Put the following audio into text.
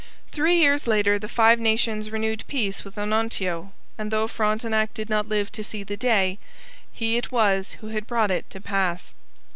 Three years later the Five Nations renewed peace with Onontio; and, though Frontenac did not live to see the day, he it was who had brought it to pass.